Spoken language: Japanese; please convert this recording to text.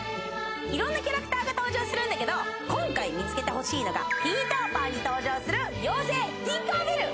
色んなキャラクターが登場するんだけど今回見つけてほしいのがピーターパンに登場する妖精ティンカーベル